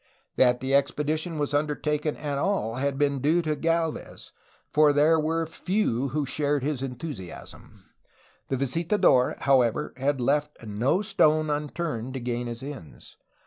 That the expedition was undertaken at all had been due to Gdlvez, for there were few who shared his enthusiasm. The visitadoTj however, had left no stone unturned to gain his ends.